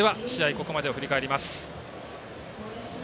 ここまでを振り返ります。